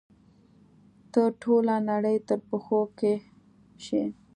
ته ټوله نړۍ تر پښو کښی شي